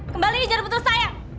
kembali jarum betul saya